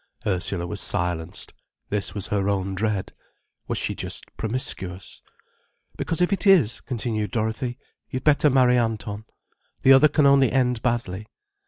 Ursula was silenced. This was her own dread. Was she just promiscuous? "Because if it is," continued Dorothy, "you'd better marry Anton. The other can only end badly."